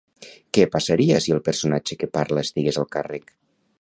Què passaria si el personatge que parla estigués al càrrec?